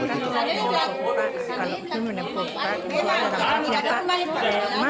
kalau minuman kopi seperti itu kalau minuman kopi seperti itu kalau minuman kopi seperti itu